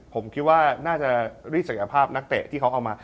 ผมคิดว่าน่าจะรีดศักยภาพนักเตะที่เขาเอามา